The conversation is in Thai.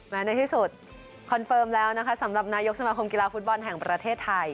ในที่สุดคอนเฟิร์มแล้วนะคะสำหรับนายกสมาคมกีฬาฟุตบอลแห่งประเทศไทย